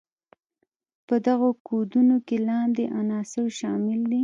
په دغو کودونو کې لاندې عناصر شامل دي.